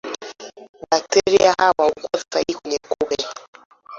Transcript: bakteria hawa hukua zaidi kwenye kupe